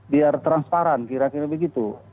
biar transparan kira kira begitu